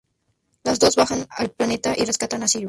Los dos bajan al planeta y rescatan a Cyrus.